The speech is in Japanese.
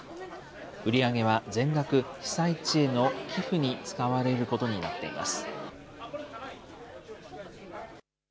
売り上げは全額、被災地への寄付に使われることになっています。